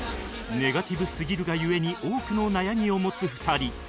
ネガティブすぎるが故に多くの悩みを持つ２人